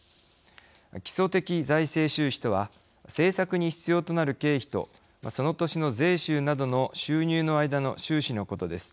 基礎的財政収支とは政策に必要となる経費とその年の税収などの収入の間の収支のことです。